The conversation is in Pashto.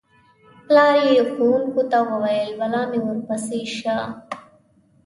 پلار یې ښوونکو ته وویل: بلا مې ورپسې شه.